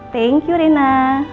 thank you rena